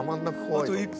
あと１分。